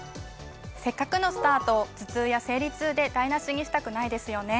せっかくのスタートを頭痛や生理痛で台無しにしたくないですよね。